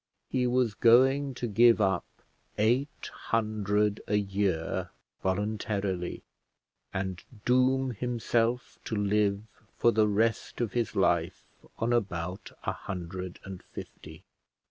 He was going to give up eight hundred a year voluntarily; and doom himself to live for the rest of his life on about a hundred and fifty.